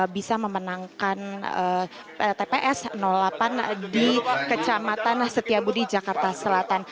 bisa memenangkan tps delapan di kecamatan setiabudi jakarta selatan